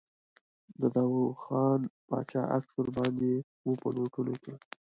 د داووخان باچا عکس ور باندې و په نوټونو کې.